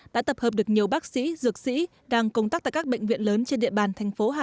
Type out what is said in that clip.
đã tập hợp được nhiều bác sĩ dược sĩ đang công tác tại các bệnh viện lớn trên địa bàn thành phố hà